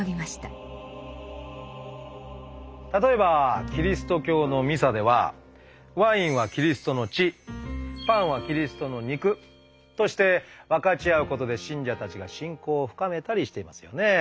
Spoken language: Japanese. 例えばキリスト教のミサではワインはキリストの血パンはキリストの肉として分かち合うことで信者たちが信仰を深めたりしていますよね。